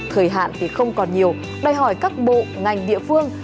thời hạn thì không còn nhiều đòi hỏi các bộ ngành địa phương